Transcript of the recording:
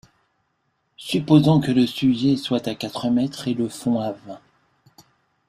Supposons que le sujet soit à quatre mètres et le fond à vingt.